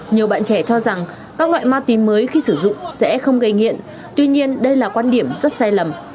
nhiều bạn trẻ cho rằng các loại ma túy mới khi sử dụng sẽ không gây nghiện tuy nhiên đây là quan điểm rất sai lầm